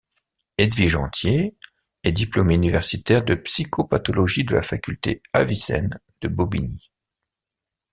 Edwige Antier est diplômée universitaire de psychopathologie de la Faculté Avicenne de Bobigny.